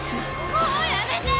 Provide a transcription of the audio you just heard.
もうやめて！